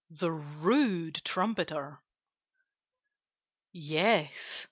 III THE RUDE TRUMPETER Yes!